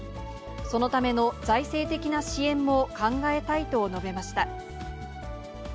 そのための財政的な支援も考えたいと述べました。